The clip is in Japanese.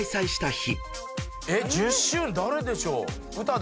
１０周年誰でしょう？